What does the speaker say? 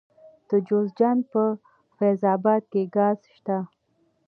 د جوزجان په فیض اباد کې ګاز شته.